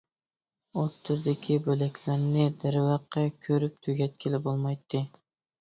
ئوتتۇرىدىكى بۆلەكلەرنى، دەرۋەقە كۆرۈپ تۈگەتكىلى بولمايتتى.